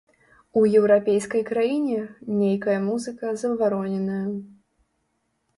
У еўрапейскай краіне нейкая музыка забароненая!